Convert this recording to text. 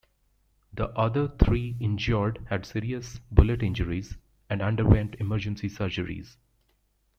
The other three injured had serious bullet injuries and underwent emergency surgeries.